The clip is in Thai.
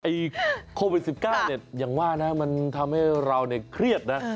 โควิด๑๙เนี่ยอย่างว่านะมันทำให้เราเนี่ยเครียดนะ